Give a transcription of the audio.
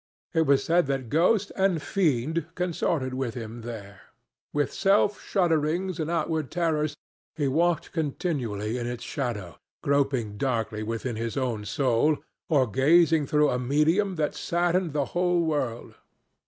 It was said that ghost and fiend consorted with him there. With self shudderings and outward terrors he walked continually in its shadow, groping darkly within his own soul or gazing through a medium that saddened the whole world.